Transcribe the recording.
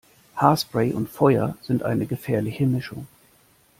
Haarspray und Feuer sind eine gefährliche Mischung